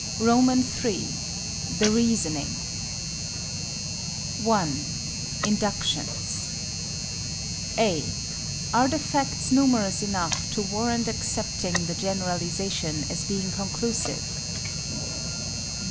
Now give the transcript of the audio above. III. THE REASONING 1. Inductions (a) Are the facts numerous enough to warrant accepting the generalization as being conclusive?